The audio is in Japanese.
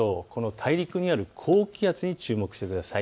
大陸にある高気圧に注目してください。